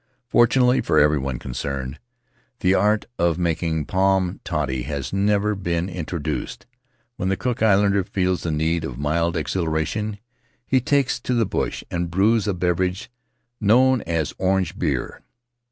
Fortunately for everyone concerned, the art of making palm toddy has never been introduced; when the Cook Islander feels the need of mild exhilaration he takes A Memory of Mauke to the bush and brews a beverage known as orange beer.